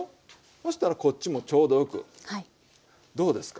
そしたらこっちもちょうどよくどうですか？